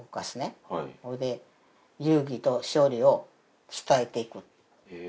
それで「友誼と勝利を伝えていく」。